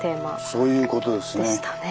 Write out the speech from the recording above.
そういうことですね。